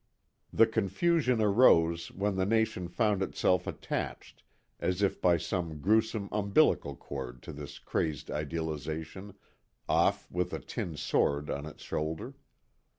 The confusion arose when the nation found itself attached as if by some gruesome umbilical cord to this crazed Idealization, off with a Tin Sword on its shoulder.